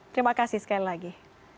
terima kasih sekali lagi